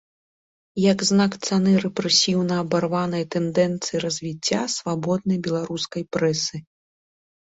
Як знак цаны рэпрэсіўна абарванай тэндэнцыі развіцця свабоднай беларускай прэсы.